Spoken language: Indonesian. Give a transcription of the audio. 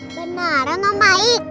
beneran om baik